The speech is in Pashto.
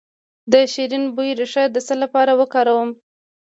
د شیرین بویې ریښه د څه لپاره وکاروم؟